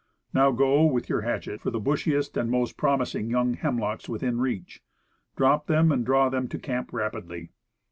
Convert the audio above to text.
Now go with your hatchet for the bushiest and most promising young hem locks within reach. Drop them and draw them to camp rapidly.